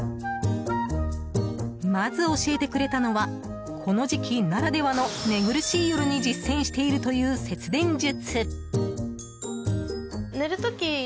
まず、教えてくれたのはこの時期ならではの寝苦しい夜に実践しているという節電術。